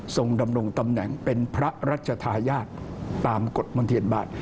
ดำรงตำแหน่งเป็นพระราชทายาทตามกฎมนเทียนบาท